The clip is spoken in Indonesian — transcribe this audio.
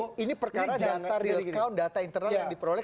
jadi ini perkara data real count data internal yang diperoleh